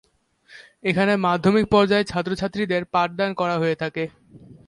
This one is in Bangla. এখানে মাধ্যমিক পর্যায়ের ছাত্রছাত্রীদের পাঠদান করা হয়ে থাকে।